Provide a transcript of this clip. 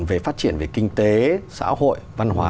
về phát triển về kinh tế xã hội văn hóa